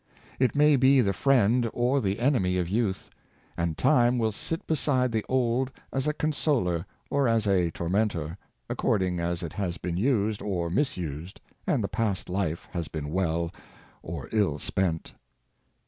It may be the friend or the enemy of youth; and Time will sit beside the old as a consoler or as a tormentor, accord ing as it has been used or misused, and the past life has been well or ill spent.